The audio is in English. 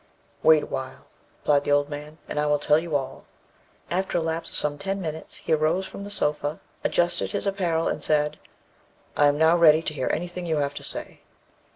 "Wait a while," replied the old man, "and I will tell you all." After a lapse of some ten minutes he rose from the sofa, adjusted his apparel, and said, "I am now ready to hear anything you have to say."